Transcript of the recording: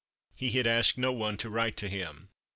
He had asked no one to write to him.